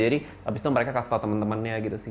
jadi abis itu mereka kasih tau temen temennya gitu sih